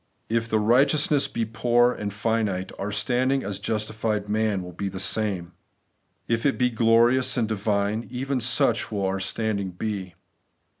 If the righteousness be poor and finite, our standing as justified men will be the same. If it be glorious and divine, even such will our standing be.